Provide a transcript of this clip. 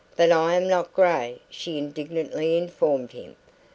"But I am not grey," she indignantly informed him.